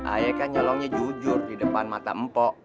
ayah kan nyolongnya jujur di depan mata empok